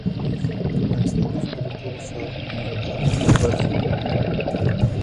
افغانستان د خپلو ټولو ښارونو یو ښه کوربه دی.